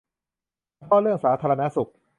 เพราะเรื่องสาธารณสุข